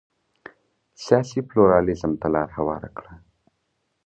سیاسي پلورالېزم ته لار هواره کړه.